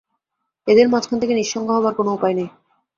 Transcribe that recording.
এদের মাঝখানে থেকে নিঃসঙ্গ হবার কোনো উপায় নেই।